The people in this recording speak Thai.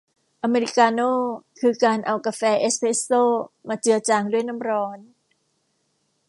อเมริกาโน่ คือการเอากาแฟเอสเพรสโซ่มาเจือจางด้วยน้ำร้อน